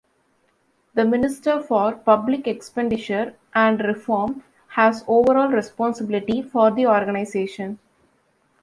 The Minister for Public Expenditure and Reform has overall responsibility for the organisation.